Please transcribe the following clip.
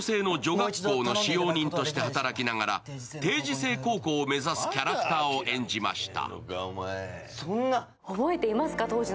学校の使用人として働きながら定時制高校を目指すキャラクターを演じました。